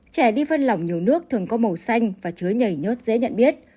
trẻ đi phân lỏng nhiều nước thường có màu xanh và chứa nhảy nhớt dễ nhận biết